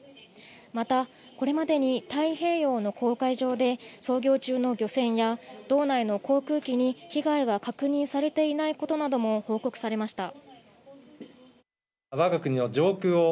またこれまでに太平洋の公海上で操業中の漁船や道内の航空機に被害は確認されていないことなども報告されました。